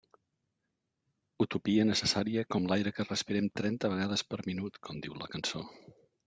Utopia necessària com l'aire que respirem trenta vegades per minut com diu la cançó.